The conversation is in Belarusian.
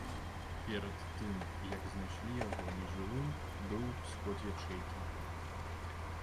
Перад тым, як знайшлі яго нежывым, быў сход ячэйкі.